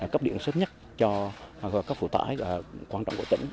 cấp điện sớm nhất cho các phụ tải quan trọng của tỉnh